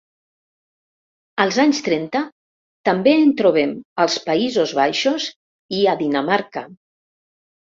Als anys trenta, també en trobem als Països Baixos i a Dinamarca.